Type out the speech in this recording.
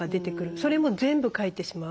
それも全部書いてしまう。